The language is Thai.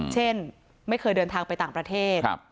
เช่นไม่เคยเดินทางไปต่างประเทศ